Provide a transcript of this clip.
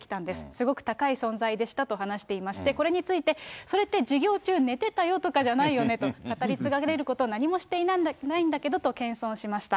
すごく高い存在でしたと話していまして、これについて、それって授業中寝てたよとかじゃないよねと、語り継がれること何もしていないんだけどと、謙遜しました。